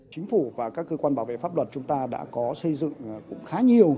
chính phủ và các cơ quan bảo vệ pháp luật chúng ta đã có xây dựng cũng khá nhiều